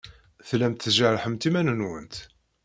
Tellamt tjerrḥemt iman-nwent.